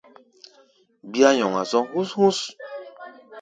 Bíá nyɔŋa zɔ̧́ hú̧s-hú̧s.